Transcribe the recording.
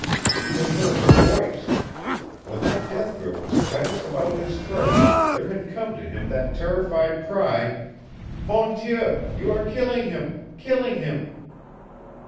He had heard her voice; when that death grip was tightest about his throat there had come to him that terrified cry: "Mon Dieu, you are killing him killing him!"